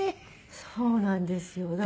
そうなんですよ。